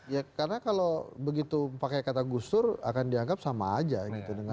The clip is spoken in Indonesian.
ya karena kalau begitu pakai kata gus dur akan dianggap sama aja gitu